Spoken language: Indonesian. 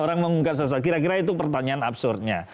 yang mengungkap sesuatu kira kira itu pertanyaan absurdnya